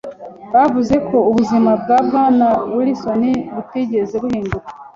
Bavuze ko ubuzima bwa Bwana Wilson butigeze buhinduka.